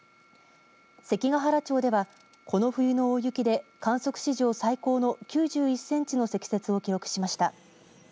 関ケ原町ではこの冬の大雪で観測史上最高の９１センチの積雪を記録しました。